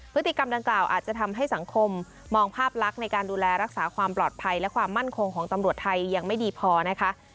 พฤติกรรมดังกล่าวอาจจะทำให้สังคมมองภาพลักษณ์ในการดูแลรักษาความปลอดภัยและความมั่นคงของตำรวจไทยยังไม่ดีพอนะคะ